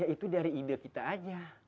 ya itu dari ide kita aja